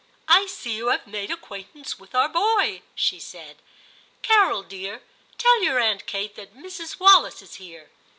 * I see you have made acquaintance with our boy,' she said. * Carol dear, tell your Aunt Kate that Mrs. Wallis is here.